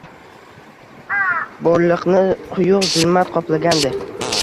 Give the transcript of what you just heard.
Borliqni quyuq zulmat qoplagandi